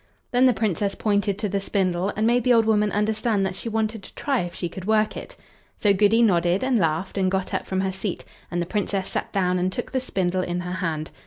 Then the Princess pointed to the spindle, and made the old woman understand that she wanted to try if she could work it. So Goody nodded, and laughed, and got up from her seat, and the Princess sat down and took the spindle in her hand.